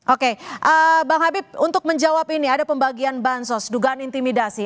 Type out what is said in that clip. oke bang habib untuk menjawab ini ada pembagian bansos dugaan intimidasi